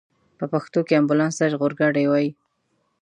په پښتو کې امبولانس ته ژغورګاډی وايي.